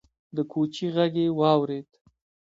د کوچي غږ يې واورېد: